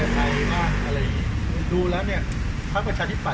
ฝั่งดูแล้วเนี่ยฝั่งประชาทิศปรัส